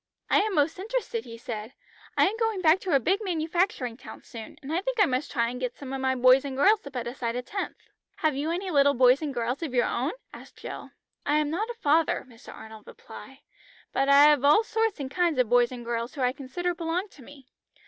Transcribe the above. "I am most interested," he said; "I am going back to a big manufacturing town soon, and I think I must try and get some of my boys and girls to put aside a tenth." "Have you any little boys and girls of your own?" asked Jill. "I am not a father," Mr. Arnold replied, "but I have all sorts and kinds of boys and girls who I consider belong to me.